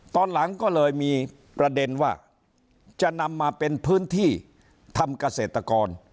ตอนหลังก็เลยมีประเด็นว่าจะนำมาเป็นพื้นที่ทำเกษตรกร